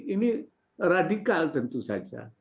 ini radikal tentu saja